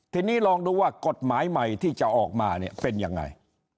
ทีนี้ลองดูว่ากฎหมายใหม่ที่จะออกมาเนี่ยเป็นยังไง